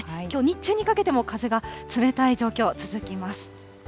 きょう、日中にかけても風が冷たい状況、続きます。